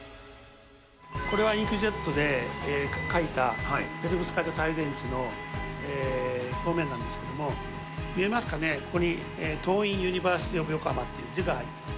これはインクジェットで書いたペロブスカイト太陽電池の表面なんですけども、見えますかね、ここにトーインユニバーシティオブヨコハマって字が入ってるんです。